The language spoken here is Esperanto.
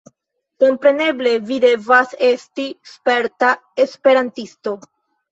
Kompreneble, vi devas esti sperta esperantisto